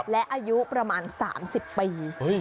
และอายุประมาณ๓๐ปี